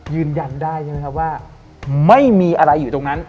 ยืนยันได้ใช่ไหมครับว่าไม่มีอะไรอยู่ตรงนั้น